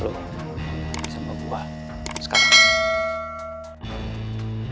lo bisa ngebua sekarang